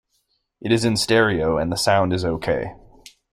It is in stereo and the sound is okay.